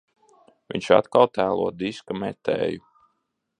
Viņš atkal tēlo diska metēju.